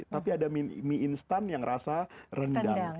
tapi ada mie instan yang rasa rendang